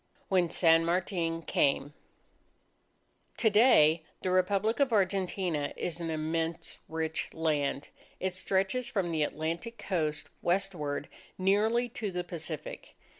WHEN SAN MARTIN CAME To day, the Republic of Argentina is an immense rich land. It stretches from the Atlantic Coast westward nearly to the Pacific.